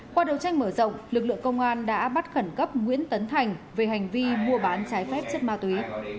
qua đầu tranh mở rộng lực lượng công an đã bắt khẩn cấp nguyễn tấn thành về hành vi mua bán trái phép chất ma túy